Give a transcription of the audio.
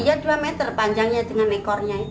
ya dua meter panjangnya dengan ekornya itu